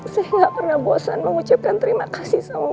saya gak pernah bosan mengucapkan terima kasih sama